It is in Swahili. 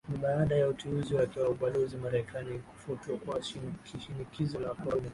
Ni baada ya uteuzi wake wa Ubalozi Marekani kufutwa kwa shinikizo la Karume